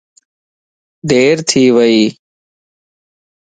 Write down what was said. ديرٿي ويئي